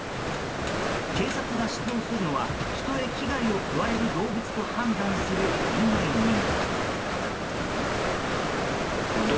警察が出動するのは人へ危害を加える動物と判断する以外にも。